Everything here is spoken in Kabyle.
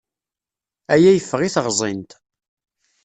Aya yeffeɣ i teɣẓint.